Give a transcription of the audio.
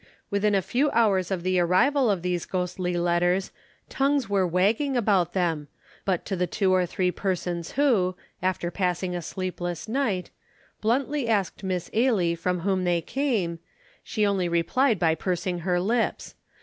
Within a few hours of the arrival of these ghostly letters, tongues were wagging about them, but to the two or three persons who (after passing a sleepless night) bluntly asked Miss Ailie from whom they came, she only replied by pursing her lips.